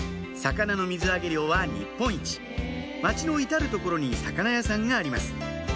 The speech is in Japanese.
魚の水揚げ量は日本一町の至る所に魚屋さんがあります